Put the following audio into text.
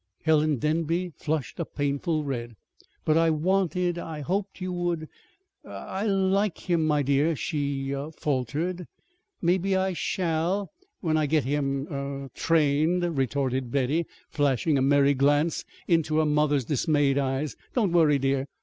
Helen Denby flushed a painful red. "But I wanted I hoped you would er l like him, my dear," she faltered. "Maybe I shall when I get him er trained," retorted Betty, flashing a merry glance into her mother's dismayed eyes. "Don't worry, dear.